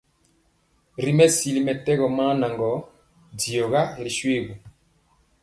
Ri mesili mɛtɛgɔ maa naŋgɔ, diɔga ri shoégu.